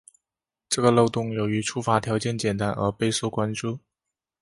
这个漏洞由于触发条件简单而备受关注。